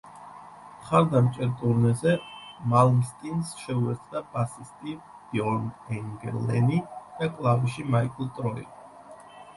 მხარდამჭერ ტურნეზე მალმსტინს შეუერთდა ბასისტი ბიორნ ენგლენი და კლავიში მაიკლ ტროი.